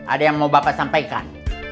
ada yang mau bapak sampaikan